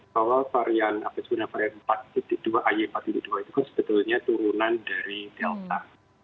kalau varian ay empat dua itu kan sebetulnya turunan dari delta